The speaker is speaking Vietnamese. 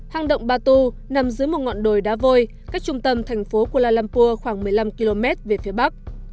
hang động batu nằm dưới một ngọn đồi đá vôi cách trung tâm thành phố kuala lumpur khoảng một mươi năm km về phía bắc